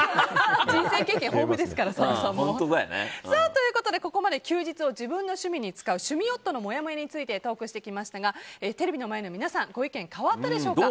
人生経験豊富ですから佐野さんも。ということでここまで休日を自分の趣味に使う趣味夫のもやもやについてトークしてきましたがテレビの前の皆さんご意見変わったでしょうか。